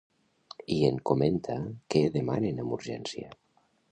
I en comenta què demanen amb urgència.